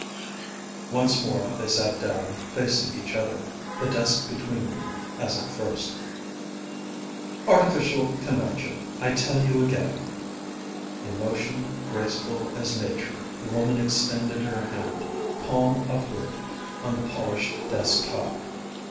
Once more they sat down facing each other, the desk between them as at first. "Artificial convention, I tell you again." In motion graceful as nature the woman extended her hand, palm upward, on the polished desk top.